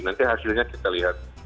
nanti hasilnya kita lihat